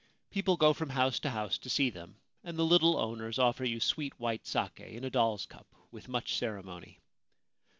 People go from house to house to see them, and the little owners offer you sweet white sake in a doll's cup with much ceremony.